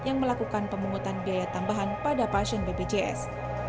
yang melakukan pemungutan biaya tambahan pada pasien bpjs